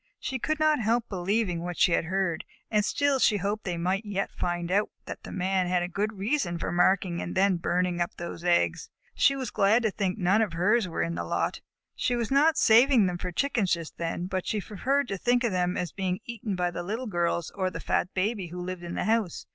She could not help believing what she had heard, and still she hoped they might yet find out that the Man had a good reason for marking and then burning up those eggs. She was glad to think that none of hers were in the lot. She was not saving them for Chickens just then, but she preferred to think of them as being eaten by the Little Girls or the fat Baby who lived in the house.